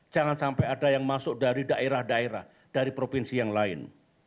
jangan sampai ada yang masuk dari daerah daerah dari provinsi yang lain